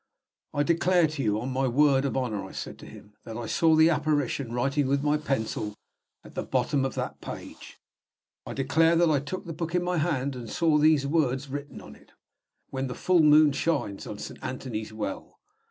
"I declare to you, on my word of honor," I said to him, "that I saw the apparition writing with my pencil at the bottom of that page. I declare that I took the book in my hand, and saw these words written in it, 'When the full moon shines on Saint Anthony's Well.'